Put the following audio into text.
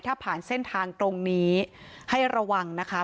ถ้าผ่านเส้นทางตรงนี้ให้ระวังนะคะ